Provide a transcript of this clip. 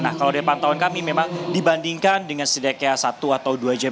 nah kalau dari pantauan kami memang dibandingkan dengan setidaknya satu atau dua jam